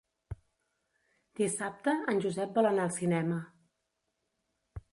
Dissabte en Josep vol anar al cinema.